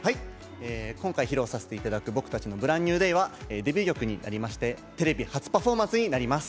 今回、披露させていただく僕たちの「ＢｒａｎｄＮｅｗＤａｙ」はデビュー曲になりましてテレビ初パフォーマンスになります。